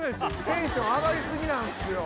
テンション上がりすぎなんですよ